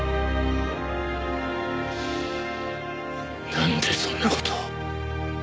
なんでそんな事を。